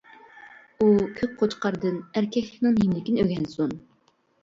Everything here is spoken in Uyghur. ئۇ كۆك قوچقاردىن ئەركەكلىكنىڭ نېمىلىكىنى ئۆگەنسۇن!